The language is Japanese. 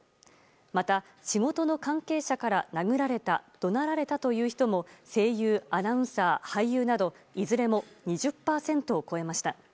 また、仕事の関係者から殴られた、怒鳴られたという人も声優・アナウンサー、俳優などいずれも２０％を超えました。